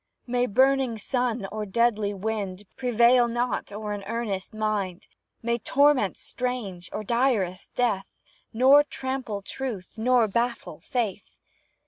May burning sun or deadly wind Prevail not o'er an earnest mind; May torments strange or direst death Nor trample truth, nor baffle faith.